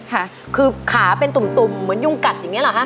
ค่ะคือขาเป็นตุ่มตุ่มเหมือนยุงกัดอย่างเงี้เหรอคะ